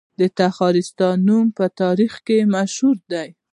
د تخارستان نوم په تاریخ کې مشهور دی